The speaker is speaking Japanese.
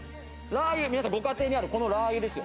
皆さんご家庭にあるこのラー油ですよ。